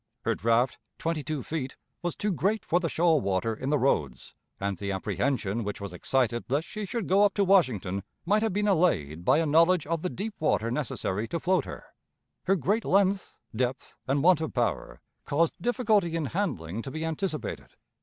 Her draught, twenty two feet, was too great for the shoal water in the roads, and the apprehension which was excited lest she should go up to Washington might have been allayed by a knowledge of the deep water necessary to float her. Her great length, depth, and want of power, caused difficulty in handling to be anticipated.